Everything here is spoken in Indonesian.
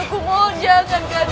aku mohon jangan kanda